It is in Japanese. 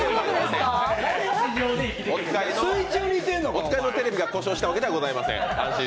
お使いのテレビが故障した訳ではございません。